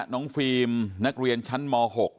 น้องฟิลล์มนักเรียนชั้นม๖